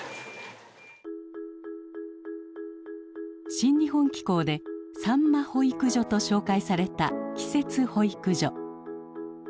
「新日本紀行」でさんま保育所と紹介された季節保育所。